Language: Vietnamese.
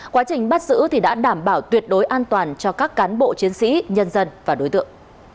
quá trình bắt giữ thì đã đảm bảo tuyệt đối an toàn cho các cán bộ chiến sĩ nhân dân và đối tượng